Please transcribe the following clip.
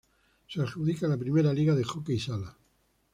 Se adjudica la primera liga de hockey sala.